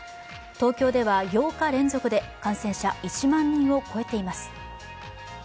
東京では８日連続で感染者、１万人を超えています。